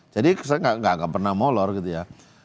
jadi saya gak pernah molor gitu ya